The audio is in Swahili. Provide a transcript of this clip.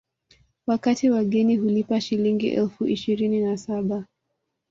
Wakati wageni hulipa Shilingi elfu ishirini na saba